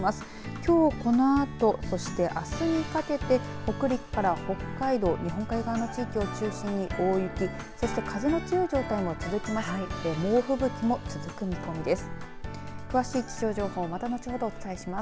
きょうこのあとそして、あすにかけて北陸から北海道日本海側の地域を中心に大雪そして風の強い状態も続きます。